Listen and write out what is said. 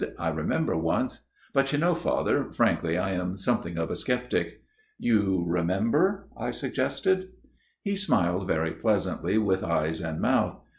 " I remember once but you know, Father, frankly I am something of a sceptic." " You remember ?" I suggested. He smiled very pleasantly with eyes and mouth.